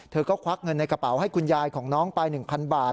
เธอก็ควักเงินในกระเป๋าให้คุณยายของน้องไป๑๐๐บาท